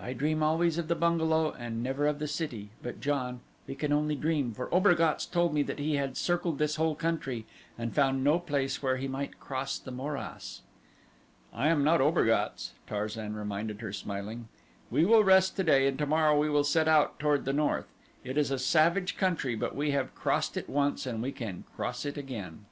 "I dream always of the bungalow and never of the city, but John, we can only dream, for Obergatz told me that he had circled this whole country and found no place where he might cross the morass." "I am not Obergatz," Tarzan reminded her, smiling. "We will rest today and tomorrow we will set out toward the north. It is a savage country, but we have crossed it once and we can cross it again."